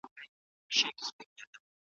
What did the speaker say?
تاسو د هیواد د آبادۍ او خپلواکۍ لپاره هڅې وکړئ.